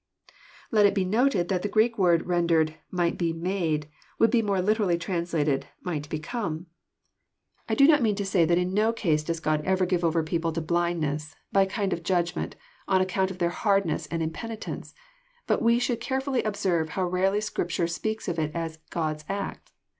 Let it be noted that the Greek word rendered " might be made" would be more literally translated "might become." I do not mean to say that in no case does God ever give over JOHN, CHAP. IX. 171 people to blindness, by a kind of Judgment, on account of their hardness and Impenitence. But we should careftilly observe how rarely Scripture speaks of it as God's act.